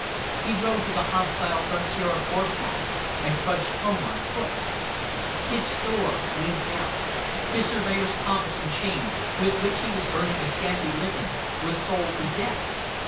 He rode to the hostile frontier on horseback, and trudged home on foot. His store "winked out." His surveyor's compass and chain, with which he was earning a scanty living, were sold for debt.